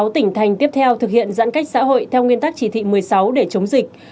sáu tỉnh thành tiếp theo thực hiện giãn cách xã hội theo nguyên tắc chỉ thị một mươi sáu để chống dịch